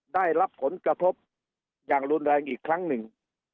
ได้รับผลกระทบอย่างรุนแรงอีกครั้งหนึ่ง